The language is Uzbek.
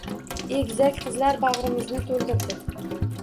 Egizak qizlar bag`rimizni to`ldirdi